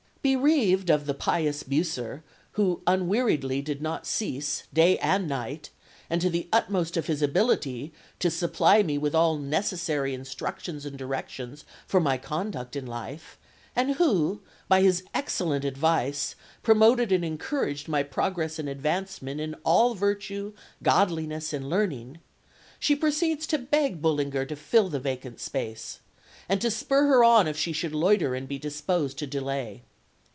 Bereaved of the "pious Bucer ... who unweariedly did not cease, day and night, and to the utmost of his ability, to supply me with all necessary instructions and directions for my conduct in life, and who by his excellent advice promoted and encouraged my progress and advancement in all virtue, godliness, and learning," she proceeds to beg Bullinger to fill the vacant place, and to spur her on if she should loiter and be disposed to delay.